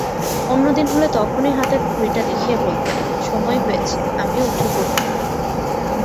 অন্যদিন হলে তখনই হাতের ঘড়িটা দেখিয়ে বলতেন, সময় হয়েছে, আমিও উঠে পড়তুম।